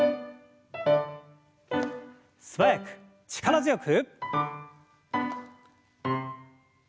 素早く力強く。